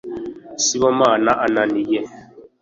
sibomana ananie